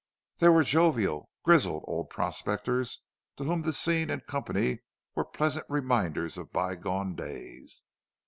There were jovial, grizzled, old prospectors to whom this scene and company were pleasant reminders of bygone days.